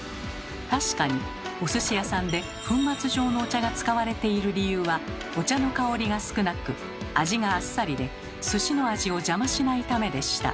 確かにお寿司屋さんで粉末状のお茶が使われている理由はお茶の香りが少なく味があっさりで寿司の味を邪魔しないためでした。